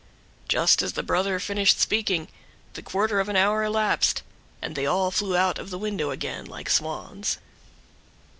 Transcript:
Just as the brother finished speaking, the quarter of an hour elapsed, and they all flew out of the window again like Swans.